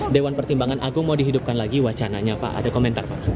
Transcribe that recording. dewan pertimbangan agung mau dihidupkan lagi wacananya pak ada komentar pak